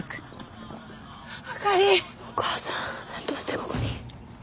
どうしてここに？